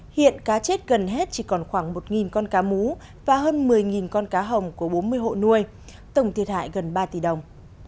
hiện cá chết gần hết chỉ còn khoảng một con cá mú và hơn một mươi con cá hồng của bốn mươi hộ nuôi tổng thiệt hại gần ba tỷ đồng